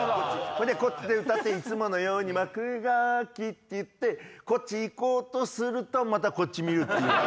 ほんで歌って「いつものように幕が開き」ってこっち行こうとするとまたこっち見るっていう。